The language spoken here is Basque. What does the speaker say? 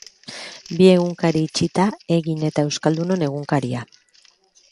Bi egunkari itxita, Egin eta Euskaldunon Egunkaria.